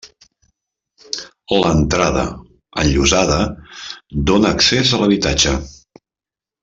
L'entrada, enllosada, dóna accés a l'habitatge.